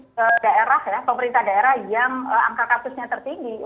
r tujuh salah satu tiga daerah ya pemerintah daerah yang angka kartusnya tertinggi